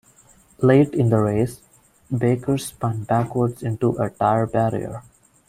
Late in the race, Baker spun backward into a tire barrier.